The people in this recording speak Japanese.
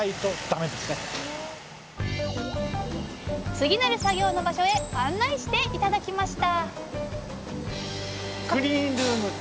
次なる作業の場所へ案内して頂きました